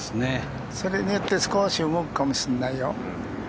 それによって少し動くかもしれないよ。